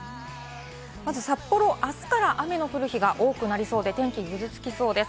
札幌、あすから雨の降る日が多くなりそうで、天気がぐずつきそうです。